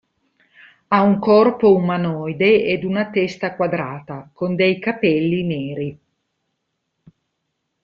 Ha un corpo umanoide ed una testa quadrata, con dei capelli neri.